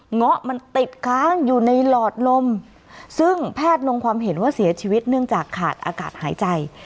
เงาะมันติดค้างอยู่ในหลอดลมซึ่งแพทย์ลงความเห็นว่าเสียชีวิตเนื่องจากขาดอากาศหายใจ